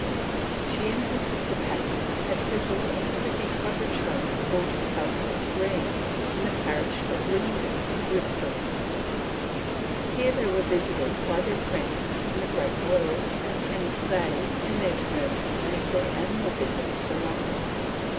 She and her sister Patty had settled in a pretty cottage home called Cowslip Green, in the parish of Wrington, Bristol. Here they were visited by their friends from the great world, and hence they, in their turn, made their annual visit to London.